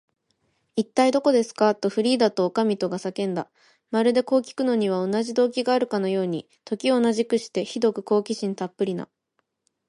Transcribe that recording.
「いったい、どこですか？」と、フリーダとおかみとが叫んだ。まるで、こうきくのには同じ動機があるかのように、時を同じくして、ひどく好奇心たっぷりな